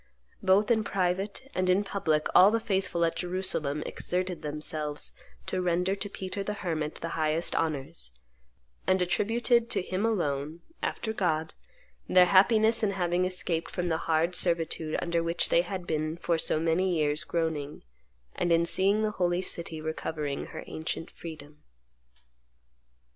Both in private and in public all the faithful at Jerusalem exerted themselves to render to Peter the Hermit the highest honors, and attributed to him alone, after God, their happiness in having escaped from the hard servitude under which they had been for so many years groaning, and in seeing the holy city recovering her ancient freedom."